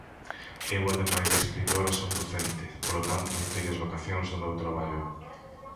Eu ademais de escritora son docente, polo tanto, teño as vacacións do meu traballo.